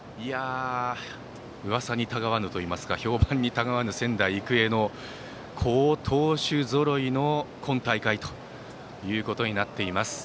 うわさにたがわぬといいますか、評判にたがわぬ仙台育英の好投手ぞろいの今大会ということになっています。